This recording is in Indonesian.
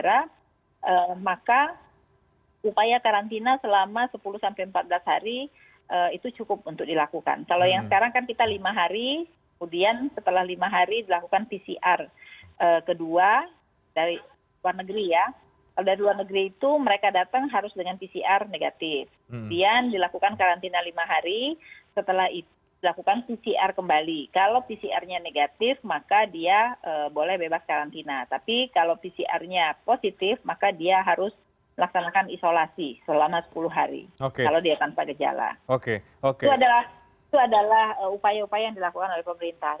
apakah sebelumnya rekan rekan dari para ahli epidemiolog sudah memprediksi bahwa temuan ini sebetulnya sudah ada di indonesia